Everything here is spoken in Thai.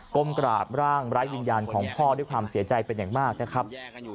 ก้มกราบร่างไร้วิญญาณของพ่อด้วยความเสียใจเป็นอย่างมากนะครับ